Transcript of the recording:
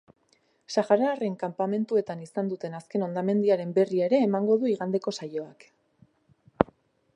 Sahararren kanpamentuetan izan duten azken hondamendiaren berri ere emango du igandeko saioak.